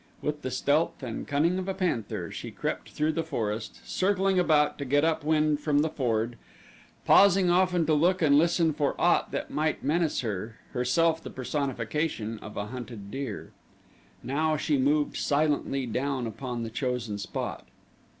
With the stealth and cunning of a panther she crept through the forest, circling about to get up wind from the ford, pausing often to look and listen for aught that might menace her herself the personification of a hunted deer. Now she moved silently down upon the chosen spot.